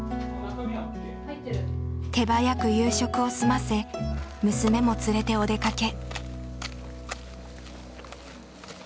手早く夕食を済ませ娘も連れてお出かけ。